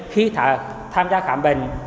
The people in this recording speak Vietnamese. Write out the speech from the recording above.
khi tham gia khám bệnh